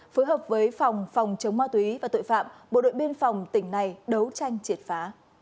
phối hợp với phòng phòng chống ma túy và tội phạm bộ đội biên phòng tỉnh này đấu tranh triệt phá